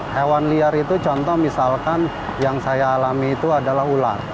hewan liar itu contoh misalkan yang saya alami itu adalah ular